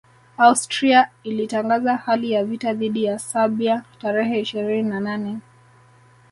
Austria ilitangaza hali ya vita dhidi ya Serbia tarehe ishirini na nane